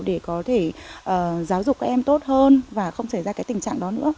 để có thể giáo dục các em tốt hơn và không xảy ra cái tình trạng đó nữa